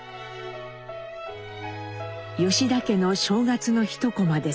吉田家の正月の一コマです。